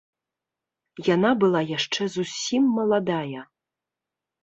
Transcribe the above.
Яна была яшчэ зусім маладая.